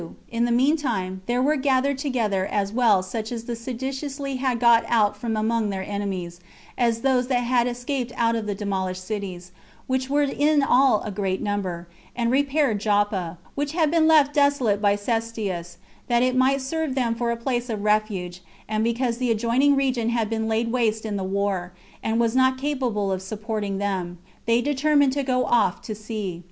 In the mean time, there were gathered together as well such as had seditiously got out from among their enemies, as those that had escaped out of the demolished cities, which were in all a great number, and repaired Joppa, which had been left desolate by Cestius, that it might serve them for a place of refuge; and because the adjoining region had been laid waste in the war, and was not capable of supporting them, they determined to go off to sea.